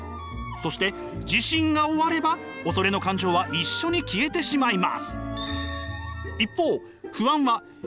そして地震が終われば恐れの感情は一緒に消えてしまいます。